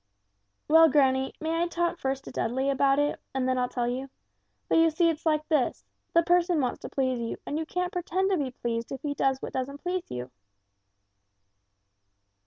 "Well, granny, may I talk first to Dudley about it, and then I'll tell you. But you see it's like this the person wants to please you, and you can't pretend to be pleased if he does what doesn't please you!"